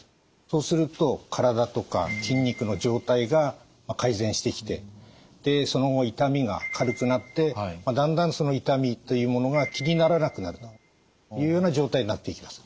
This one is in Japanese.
そうすると体とか筋肉の状態が改善してきてでその後痛みが軽くなってだんだんその痛みというものが気にならなくなるというような状態になっていきます。